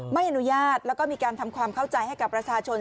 ไม่อนุญาตแล้วก็มีการทำความเข้าใจให้กับประชาชน